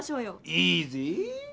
いいぜぇ！